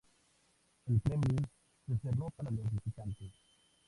El Kremlin se cerró para los visitantes.